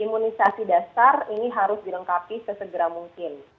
imunisasi dasar ini harus dilengkapi sesegera mungkin